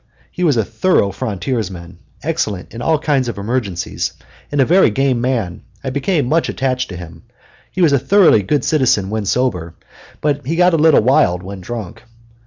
He was a thorough frontiersman, excellent in all kinds of emergencies, and a very game man. I became much attached to him. He was a thoroughly good citizen when sober, but he was a little wild when drunk.